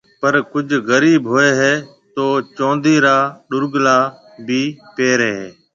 پر ڪجه غرِيب هوئي هيَ تو چوندِي را ڏورگلا بي پيري هيَ۔